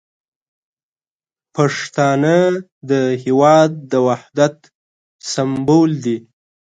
پښتانه د هیواد د وحدت سمبول دي.